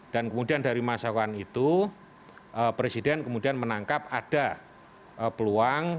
dan kemudian dari masukan itu presiden kemudian menangkap ada peluang